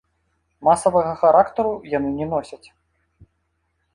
Масавага характару яны не носяць.